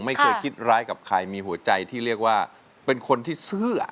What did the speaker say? ไม่เคยคิดร้ายกับใครมีหัวใจที่เรียกว่าเป็นคนที่ซื้อ